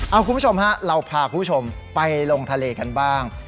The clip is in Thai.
เอาคุณผู้ชมฮะเราพาคุณผู้ชมไปลงทะเลกันบ้าง